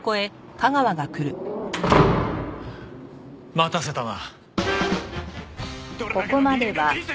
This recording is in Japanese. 待たせたな。